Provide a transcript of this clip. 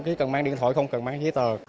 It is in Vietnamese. chứ cần mang điện thoại không cần mang giấy tờ